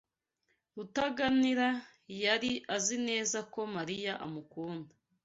Rutaganira yari azi neza ko Mariya amukunda.